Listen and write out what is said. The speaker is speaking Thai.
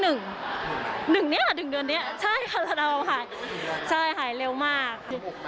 ๑เดือนนี้ใช่ราดาว่าหายเร็วมาก